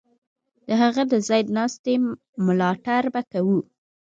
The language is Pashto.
د هغه د ځای ناستي ملاتړ به کوو.